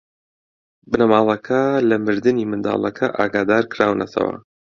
بنەماڵەکە لە مردنی منداڵەکە ئاگادار کراونەتەوە.